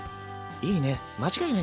いいね。